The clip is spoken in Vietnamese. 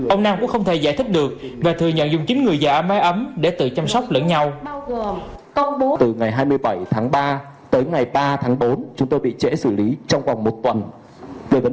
ông nam cũng không thể giải thích được và thừa nhận dùng chín người già máy ấm